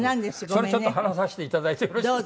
それちょっと話させていただいてよろしいですか？